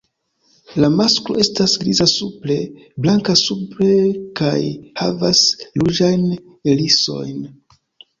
La masklo estas griza supre, blanka sube kaj havas ruĝajn irisojn.